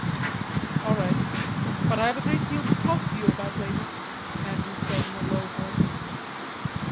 "All right.... But I have a great deal to talk to you about later," said Andrews in a low voice.